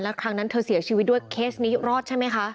ครั้งนั้นเธอเสียชีวิตด้วยเคสนี้รอดใช่ไหมคะ